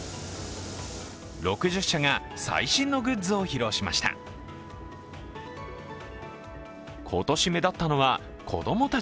６０社が最新のグッズを披露しました。